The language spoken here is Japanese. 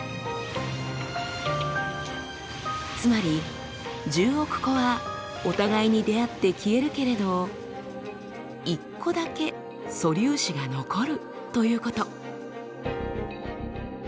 つまり１０億個はお互いに出会って消えるけれど１個だけ素粒子が残るということ。